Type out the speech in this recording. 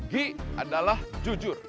gi adalah jujur